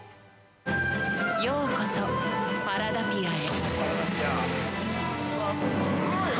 ◆ようこそ、パラダピアへ。